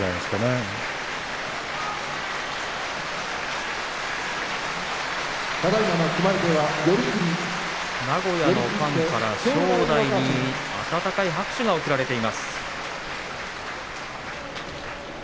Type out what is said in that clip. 拍手名古屋のファンから正代に温かい拍手が送られています。